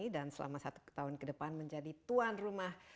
dan selama satu tahun ke depan menjadi tuan rumah